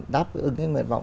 đáp ứng cái nguyện vọng